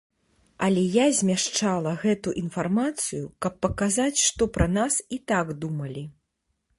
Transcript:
Але я змяшчала гэту інфармацыю, каб паказаць, што пра нас і так думалі.